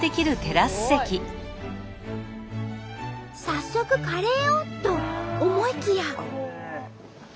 早速カレーをと思いきや。